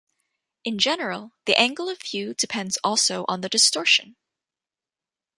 In general, the angle of view depends also on the distortion.